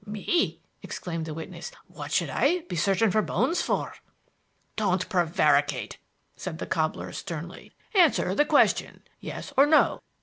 "Me!" exclaimed the witness. "What should I be searching for bones for?" "Don't prevaricate," said the cobbler sternly; "answer the question: Yes or no."